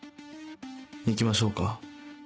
行きましょうか。